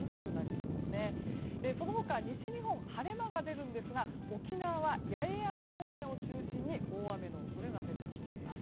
その他西日本晴れ間が出るんですが沖縄は八重山方面を中心に大雨の恐れが出てきています。